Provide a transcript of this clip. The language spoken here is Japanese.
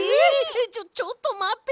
ちょちょっとまって！